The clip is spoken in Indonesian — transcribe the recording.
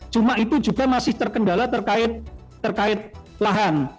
cuma itu juga masih terkendala terkait lahan